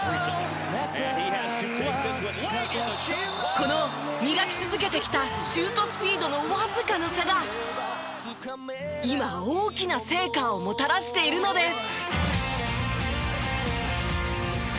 この磨き続けてきたシュートスピードのわずかな差が今大きな成果をもたらしているのです。